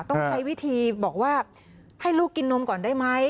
ต้องใช้วิธีบอกว่าให้ลูกกินนมก่อนได้ไหม